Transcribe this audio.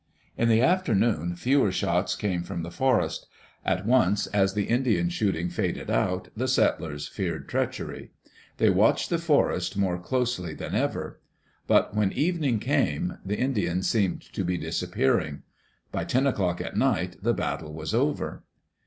In the afternoon, fewer shots came from the forest At once, as the Indian shooting faded out, the settlers feared treachery. They watched the forest more closely Digitized by CjOOQ IC THE BATTLE OF SEATTLE than ever. But when evening came, the Indians seemed to be disappearing. By ten o'clock at night, the battle was over.